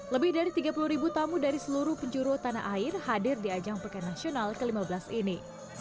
lebih dari tiga puluh ribu tamu dari seluruh penjuru tanah air hadir di ajang pekan nasional ke lima belas ini